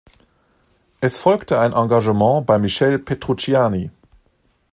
Es folgte ein Engagement bei Michel Petrucciani.